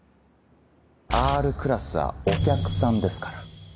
Ｒクラスはお客さんですから。